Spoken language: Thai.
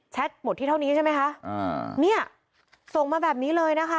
หมดที่เท่านี้ใช่ไหมคะอ่าเนี่ยส่งมาแบบนี้เลยนะคะ